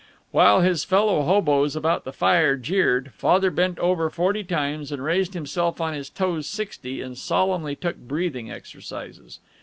While his fellow hoboes about the fire jeered, Father bent over forty times, and raised himself on his toes sixty, and solemnly took breathing exercises.